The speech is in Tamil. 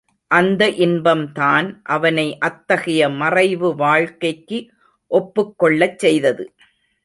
அந்த இன்பம்தான் அவனை அத்தகைய மறைவு வாழ்க்கைக்கு ஒப்புக் கொள்ளச் செய்தது.